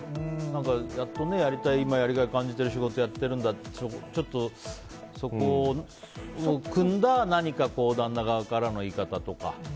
やっと今やりがい感じてやりたい仕事をやってるんだってちょっとそこをくんだ何か旦那側からの言い方とか。